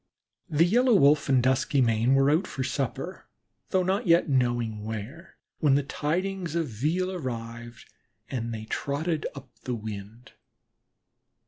The Yellow Wolf and Duskymane were out for supper, though not yet knowing where, when the tidings of veal arrived, and they trotted up the wind.